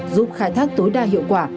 giúp khai thác tối đa hiệu quả